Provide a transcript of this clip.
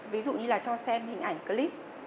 ví dụ như là cho xem hình ảnh clip